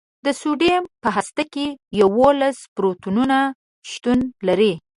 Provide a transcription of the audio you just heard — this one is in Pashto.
د سوډیم په هسته کې یوولس پروتونونه شتون لري.